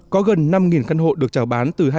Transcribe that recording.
có gần năm căn hộ được trào bán từ hai mươi bốn dự án